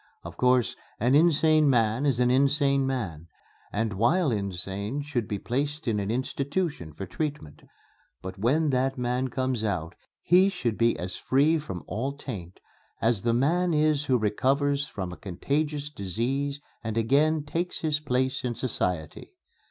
Of course, an insane man is an insane man and while insane should be placed in an institution for treatment, but when that man comes out he should be as free from all taint as the man is who recovers from a contagious disease and again takes his place in society."